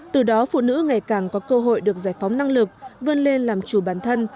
từ đó phụ nữ ngày càng có cơ hội được giải phóng năng lực vươn lên làm chủ bản thân